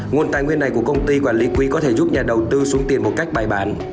nguồn tài nguyên này của công ty quản lý quy có thể giúp nhà đầu tư sung tiền một cách bài bản